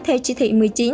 theo chỉ thị một mươi chín